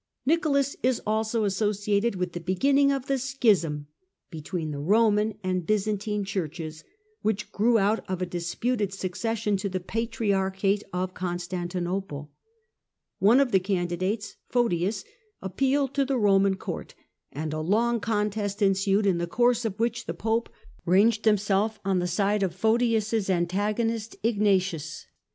Nicolas is also associated with the beginning of the schism between the Roman and Byzantine Churches, which grew out of a disputed succession to the patriarchate of Constantinople. One of the candidates, Photius, appealed to the Roman Court, and along contest ensued, in the course of which the Pope ranged himself on the side of Photius' an tagonist, Ignatius.